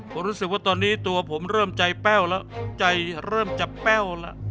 ผมรู้สึกว่าตอนนี้ตัวผมเริ่มใจแป้วแล้วใจเริ่มจะแป้วแล้ว